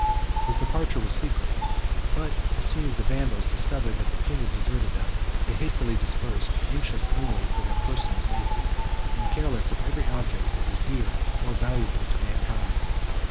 His departure was secret; but as soon as the Vandals discovered that their king had deserted them, they hastily dispersed, anxious only for their personal safety, and careless of every object that is dear or valuable to mankind.